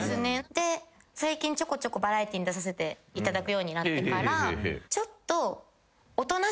最近ちょこちょこバラエティーに出させていただくようになってからちょっと。